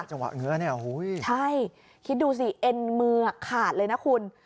จังหวะเงื้อเนี่ยใช่คิดดูสิเอ็นมือขาดเลยนะคุณ